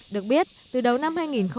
được biết từ đầu năm hai nghìn một mươi chín